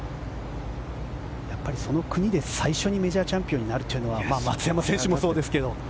その国で最初にメジャーチャンピオンになるというのは松山選手もそうですけど。